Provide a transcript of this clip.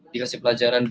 biar gak mikirin dunia mau